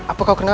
apa kau kenal